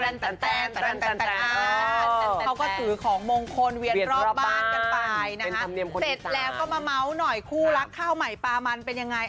เป็นธรรมเนียมคนอีสานเสร็จแล้วก็มาเม้าส์หน่อยคู่รักข้าวใหม่ปลามันเป็นยังไง